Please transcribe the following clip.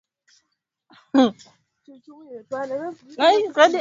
kwa kutumia vifaa vya kudhibiti kiwango Katika nchi zenye raslimali